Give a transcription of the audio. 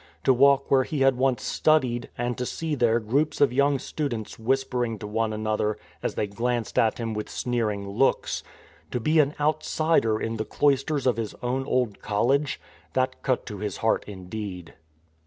To walk where he had once studied and to see there groups of young students whispering to one another as they glanced at him with sneering looks — to be an " outsider " in the cloisters of his own old college — that cut to his heart, indeed.